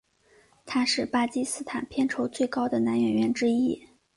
他是巴基斯坦片酬最高的男演员之一。